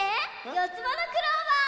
よつばのクローバー！